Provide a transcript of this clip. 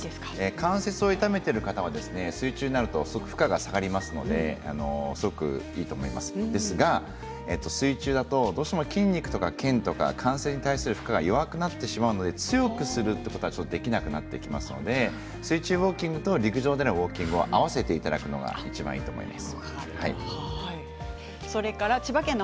関節を痛めている方は水中になると負荷が下がりますのですごくいいと思いますが水中だとどうしても筋肉とかけんとか弱くなってしまうので強くすることができなくなってしまうので水中と陸上でのトレーニングを合わせていただくのがいいと思います。